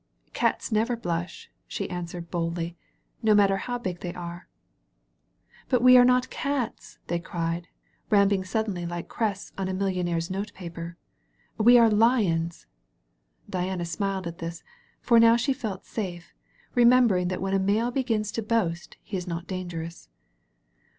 "Cats never blush," she answered boldly, "no matter how big they are." "But we are not Cats," they cried, ramping sud denly like crests on a millionaire's note paper. "We are Lions!" Diana smiled at this, for now she felt safe, re membering that when a male begins to boast he is not dangerous.